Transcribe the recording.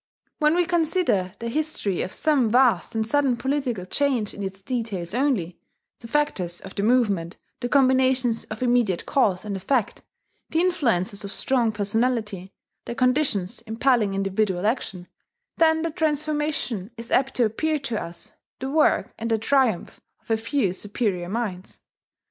When we consider the history of some vast and sudden political change in its details only, the factors of the movement, the combinations of immediate cause and effect, the influences of strong personality, the conditions impelling individual action, then the transformation is apt to appear to us the work and the triumph of a few superior minds.